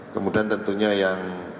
kemudian tentunya yang